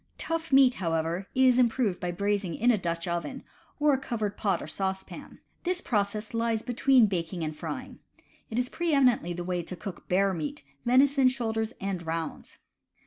Tough meat, however, is improved by braising in a Dutch oven, or a covered pot or saucepan. This process lies between baking and frying. It is pre eminently the way to cook bear meat, venison shoulders and rounds.